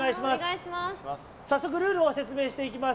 早速ルールを説明していきます。